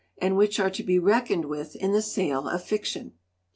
and which are to be reckoned with in the sale of fiction.